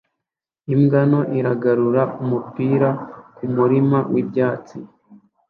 Imbwa nto iragarura umupira kumurima wibyatsi